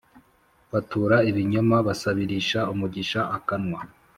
Batura ibinyoma Basabirisha umugisha akanwa.